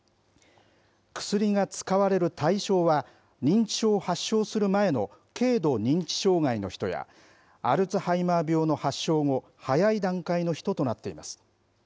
薬が使われる対象は、認知症を発症する前の軽度認知障害の人や、アルツハイマー病の発症後、早い段階の人となっています。